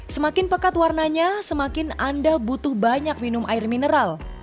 semakin pekat warnanya semakin anda butuh banyak minum air mineral